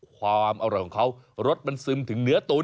ความอร่อยของเขารสมันซึมถึงเนื้อตุ๋น